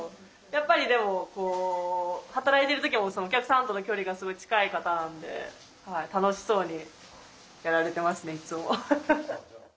やっぱりでもこう働いてる時もお客さんとの距離がすごい近い方なんではい楽しそうにやられてますねいつも。